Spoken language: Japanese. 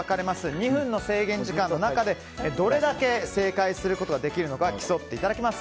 ２分の制限時間の中でどれだけ正解することができるか競っていただきます。